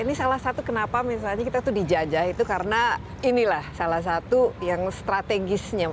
ini salah satu kenapa misalnya kita itu dijajah itu karena inilah salah satu yang strategisnya